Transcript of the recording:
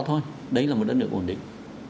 thôi đấy là một đất nước ổn định